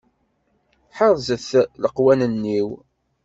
Ḥerzet leqwanen-iw.